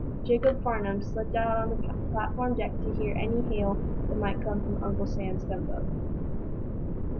Jacob Farnum slipped out on the platform deck to hear any hail that might come from Uncle Sam's gunboat.